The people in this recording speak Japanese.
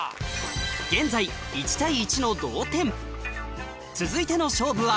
現在１対１の同点続いての勝負は